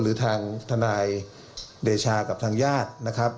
หรือทางทนายเดชากับทางญาตินะครับ